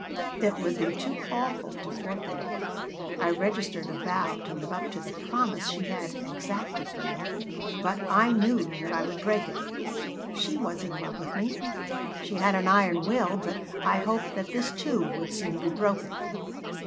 It would be too awful to forfeit it." I registered a vow to live up to the promise she had exacted from me, but I knew that I would break it She was in love with me. She had an iron will, but I hoped that this, too, would soon be broken.